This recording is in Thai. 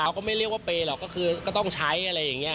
ก็ไม่เรียกว่าเปย์หรอกก็คือก็ต้องใช้อะไรอย่างนี้